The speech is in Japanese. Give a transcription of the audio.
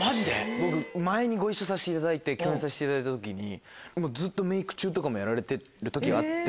僕前にご一緒させていただいて共演させていただいた時にずっとメーク中とかもやられてる時あって。